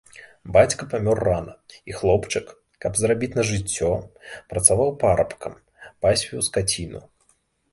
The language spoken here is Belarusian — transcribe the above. Бацька памёр рана, і хлопчык, как зарабіць на жыццё, працаваў парабкам, пасвіў скаціну.